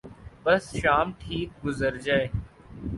بس شام ٹھیک گزر جائے۔